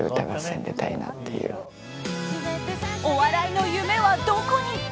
お笑いの夢はどこに？